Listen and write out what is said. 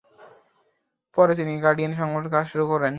পরে তিনি the Guardian সংবাদপত্রে কাজ করা শুরু করেন।